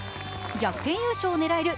逆転優勝を狙える